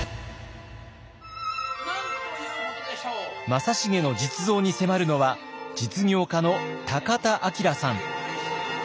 正成の実像に迫るのは実業家の田明さん。